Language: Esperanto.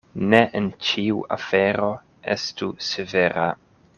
Ne en ĉiu afero estu severa.